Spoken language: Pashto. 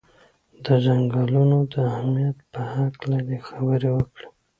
د څنګلونو د اهمیت په هکله دې خبرې وکړي.